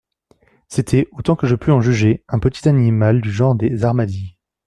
C'était, autant que je pus en juger, un petit animal du genre des armadilles.